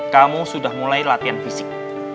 kamu sudah mulai latihan fisik